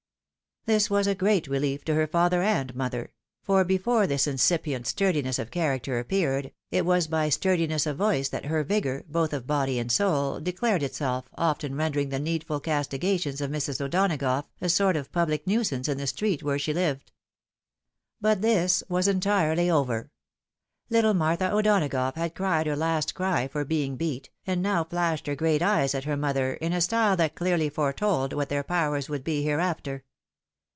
This was a great rehef to her father and mother ; for before this incipient sturdiness of character appeared, it was by sturdi ness of voice that her vigour, both of body and soul, declared itself, often rendering the needful castigations of Mrs. O'Donagough a sort of pubhc nuisance in the street where she lived. But this was entirely over. Little Martha O'Donagough had cried her last cry for being beat, and now flashed her great eyes at her mother in a style that clearly foretold what their powers would be hereafter.